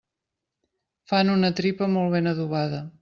Fan una tripa molt ben adobada.